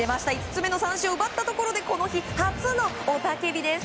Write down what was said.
５つ目の三振を奪ったところでこの日、初の雄たけびです。